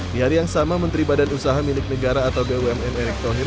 di hari yang sama menteri badan usaha milik negara atau bumn erick thohir